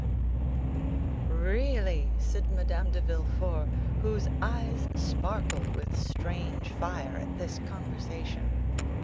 "Really," said Madame de Villefort, whose eyes sparkled with strange fire at this conversation.